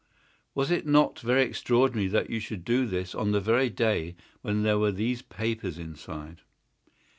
"Was it not very extraordinary that you should do this on the very day when there were these papers inside?"